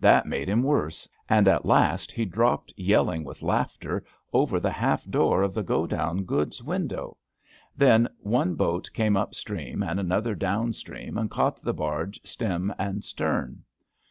That made him worse, and at last he dropped yelling with laughter over the half door of the godown goods window. Then one boat came up stream and another down stream, and caught the barge stem and stern.